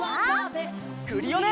クリオネ！